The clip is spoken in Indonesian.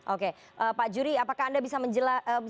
oke pak juri apakah anda bisa menjelaskan